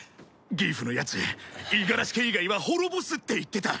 ギフのやつ五十嵐家以外は滅ぼすって言ってた。